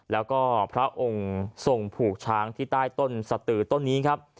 แล้วก็พระองค์ทรงผูกช้างที่ใต้ต้นสตือต้นนี้ครับ